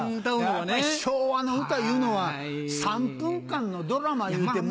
やっぱり昭和の歌いうのは３分間のドラマいうて。